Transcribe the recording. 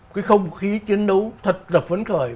cái không khí chiến đấu thật là phấn khởi